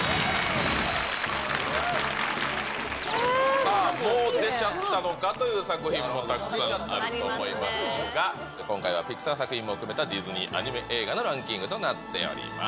さあ、もう出ちゃったのかっていう作品はたくさんあると思いますが、今回はピクサー作品も含めたディズニーアニメ映画のランキングとなっております。